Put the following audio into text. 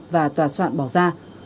để tòa soạn bỏ ra